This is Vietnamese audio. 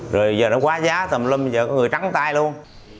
rồi bây giờ nó quá giá tùm lum bây giờ có người trắng tay luôn